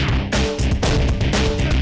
nggak akan ngediam nih